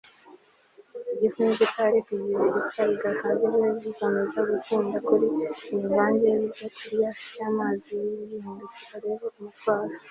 igifu ni gito, ariko igihe ipfa ridahagijwe, gikomeza gutinda kuri iyi mvange y'ibyokurya by'amazi; ibi bigihindukira rero umutwaro